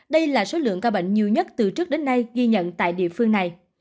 đây là số lượng ca bệnh nhiều nhất từ trước đến nay ghi nhận tại địa phương này